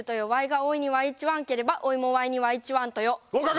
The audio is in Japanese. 合格！